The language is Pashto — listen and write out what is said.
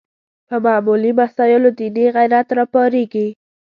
په معمولي مسایلو دیني غیرت راپارېږي